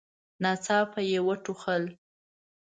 ناڅاپه يې وټوخل.